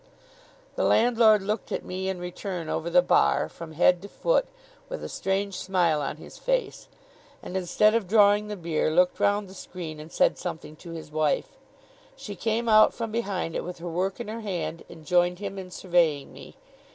The landlord looked at me in return over the bar, from head to foot, with a strange smile on his face; and instead of drawing the beer, looked round the screen and said something to his wife. She came out from behind it, with her work in her hand, and joined him in surveying me.